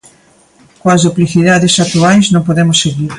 Coas duplicidades actuais non podemos seguir.